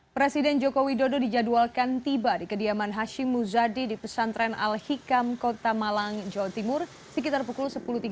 presiden joko widodo dijadwalkan tiba di kediaman hashim muzadi di pesantren al hikam kota malang jawa timur sekitar pukul sepuluh tiga puluh